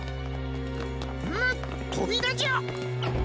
むっとびらじゃ！